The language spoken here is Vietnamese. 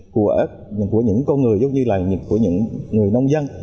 của những con người giống như là của những người nông dân